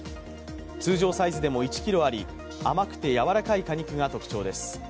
通常サイズでも１ｋｇあり甘くて軟らかい果肉が特徴です。